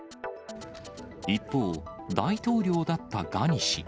一方、大統領だったガニ氏。